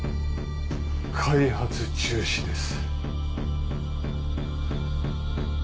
開発中止です。